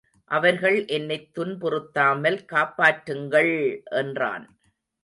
அவர்கள் என்னைத் துன்புறுத்தாமல் காப்பாற்றுங்கள்! என்றான்.